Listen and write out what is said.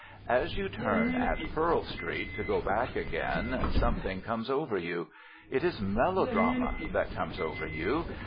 As you turn at Pearl Street to go back again something comes over you. It is melodrama that comes over you.